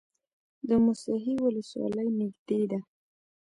د موسهي ولسوالۍ نږدې ده